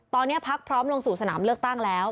ตอนนี้พักพร้อมลงสู่สนามเลือกตั้งแล้ว